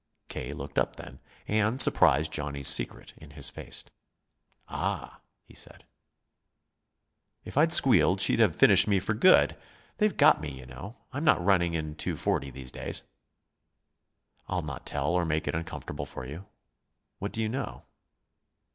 K. looked up then, and surprised Johnny's secret in his face. "Ah!" he said. "If I'd squealed she'd have finished me for good. They've got me, you know. I'm not running in 2.40 these days." "I'll not tell, or make it uncomfortable for you. What do you know?"